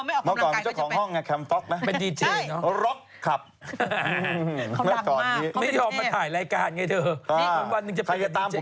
แล้วก็พอไม่ออกกำลังกับการจะเป็น